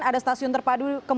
ada stasiun terpadu